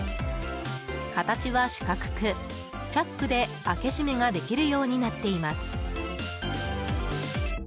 形は四角くチャックで開け閉めができるようになっています。